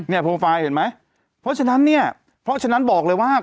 นี่โพลไฟล์เห็นไหมเพราะฉะนั้นบอกเลยว่า